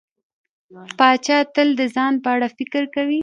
پاچا تل د ځان په اړه فکر کوي.